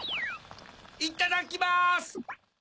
いただきます！